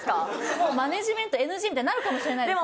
もうマネジメントＮＧみたいになるかもしれないですよ